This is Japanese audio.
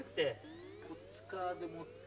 こっち側で持って。